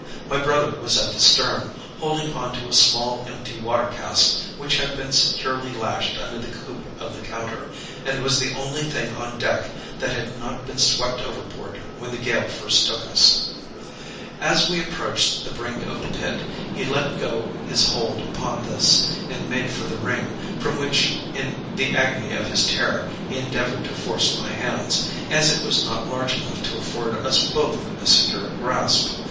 My brother was at the stern, holding on to a small empty water cask which had been securely lashed under the coop of the counter, and was the only thing on deck that had not been swept overboard when the gale first took us. "As we approached the brink of the pit, he let go his hold upon this and made for the ring, from which in the agony of his terror he endeavored to force my hands, as it was not large enough to afford us both a secure grasp.